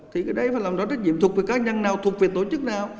thì cái đấy phải làm nó trách nhiệm thuộc về các nhân nào thuộc về tổ chức nào